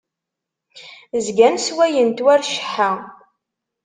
Zgan sswayen-t war cceḥḥa.